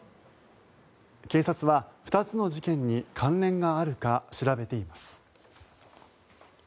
警察は２つの事件に関連があるか調べています。